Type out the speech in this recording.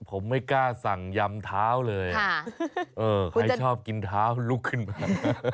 ผมไม่กล้าสั่งยำเท้าเลยใครชอบกินเท้าลุกขึ้นมา